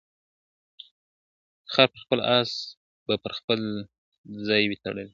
خر پر خپل، آس به پر خپل ځای وي تړلی ,